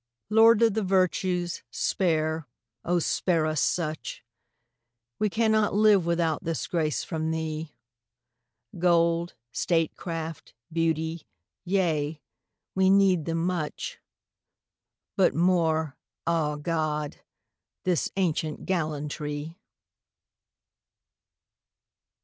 Lord of the virtues, spare, spare us such ! We cannot live without this grace from thee ; Gold, statecraft, beauty — ^yea, we need them much, But more — ^ah, God! — ^this ancient gallantry!